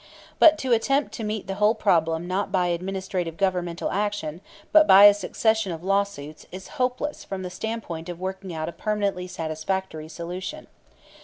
But to attempt to meet the whole problem not by administrative governmental action but by a succession of lawsuits is hopeless from the standpoint of working out a permanently satisfactory solution.